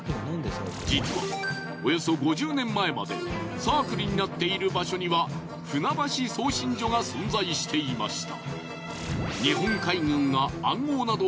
実はおよそ５０年前までサークルになっている場所には船橋送信所が存在していました。